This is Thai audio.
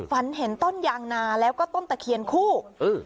ฝันเห็นต้นยางนาแล้วก็ต้นตะเคียนคู่เออ